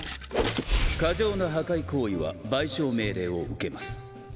過剰な破壊行為は賠償命令を受けます。